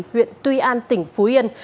huyện tuy an tỉnh phú yên